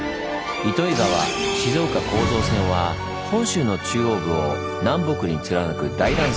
「糸魚川−静岡構造線」は本州の中央部を南北に貫く大断層